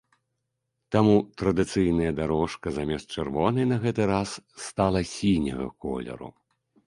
Таму традыцыйная дарожка замест чырвонай на гэты раз стала сіняга колеру.